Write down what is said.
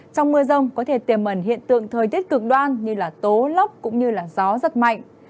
trong mưa rông có thể tiềm ẩn hiện tượng thời tiết cực đoan như là tố lốc cũng như là gió rất mạnh